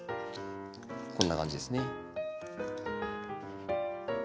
こんな感じですね。